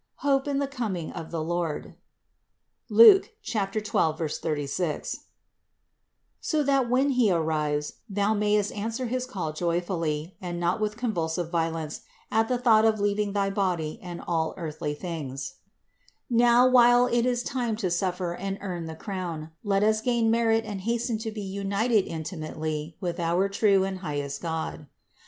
Hope in the coming of the Lord (Luke 12, 36), so that when He arrives, thou mayest answer his call joy 232 CITY OF GOD fully and not with convulsive violence at the thought of leaving thy body and all earthly things. Now, while it is time to suffer and earn the crown, let us gain merit and hasten to be united intimately with our true and highest God."